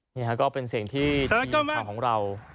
เนี่ยครับก็เป็นเสียงที่ทีมข่าวของเรา